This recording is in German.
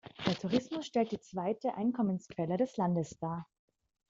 Der Tourismus stellt die zweite Einkommensquelle des Landes dar.